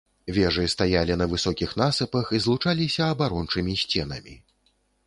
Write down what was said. Вежы стаялі на высокіх насыпах і злучаліся абарончымі сценамі.